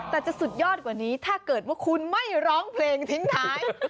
แต่จะสุดยอดกว่านี้ถ้าเกิดว่าคุณไม่ร้องเพลงทิ้งท้าย